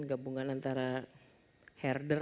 gabungan antara herder